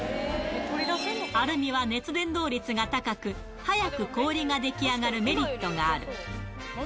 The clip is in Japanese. アルミは熱伝導率が高く、早く氷が出来上がるメリットがある。